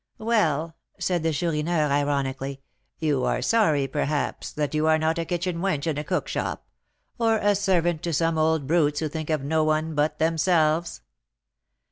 "Well," said the Chourineur, ironically, "you are sorry, perhaps, that you are not a kitchen wench in a cook shop, or a servant to some old brutes who think of no one but themselves."